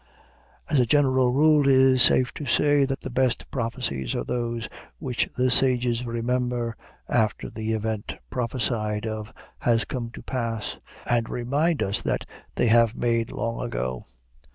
As a general rule, it is safe to say that the best prophecies are those which the sages remember after the event prophesied of has come to pass, and remind us that they have made long ago.